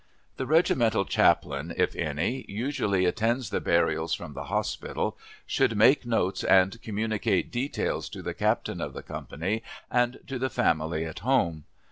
The regimental chaplain, if any, usually attends the burials from the hospital, should make notes and communicate details to the captain of the company, and to the family at home.